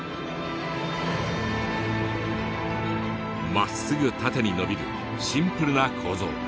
まっすぐ縦にのびるシンプルな構造。